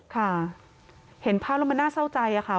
ค่ะเห็นภาพแล้วมันน่าเศร้าใจค่ะ